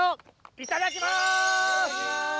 いただきます！